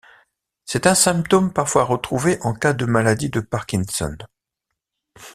C'est un symptôme parfois retrouvé en cas de maladie de Parkinson.